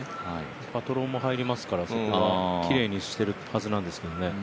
パトロンも入りますから、きれいにしているはずなんですけどね。